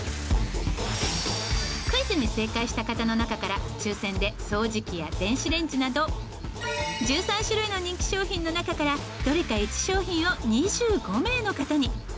クイズに正解した方の中から抽選で掃除機や電子レンジなど１３種類の人気商品の中からどれか１商品を２５名の方に。